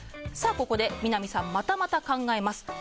ここで、美浪さんまたまた考えます。